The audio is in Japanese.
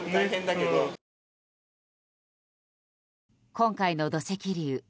今回の土石流。